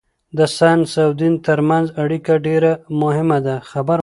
د ساینس او دین ترمنځ اړیکه ډېره مهمه ده.